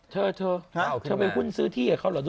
เธอเธอไปหุ้นซื้อที่กับเขาเหรอด้วย